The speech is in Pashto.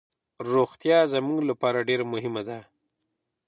روغتیا زموږ لپاره ډیر مهمه ده.